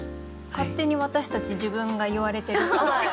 勝手に私たち自分が言われてるみたいに。